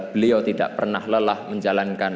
beliau tidak pernah lelah menjalankan